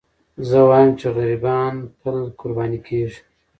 زه وایم چې غریبان تل قرباني کېږي.